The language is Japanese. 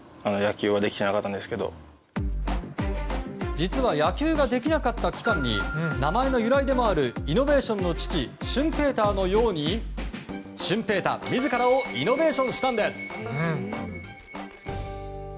実は野球ができなかった期間に名前の由来でもあるイノベーションの父シュンペーターのように舜平大、自らをイノベーションしたんです。